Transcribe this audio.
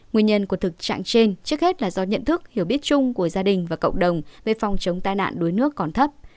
nguyên nhân của thực trạng trên trước hết là do nhận thức hiểu biết chung của gia đình và cộng đồng về phòng chống tai nạn đuối nước còn thấp